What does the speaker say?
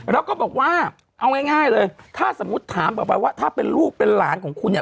แล้วก็บอกว่าเอาง่ายเลยถ้าสมมุติถามออกไปว่าถ้าเป็นลูกเป็นหลานของคุณเนี่ย